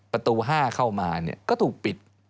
ประตู๕เข้ามาก็ถูกปิด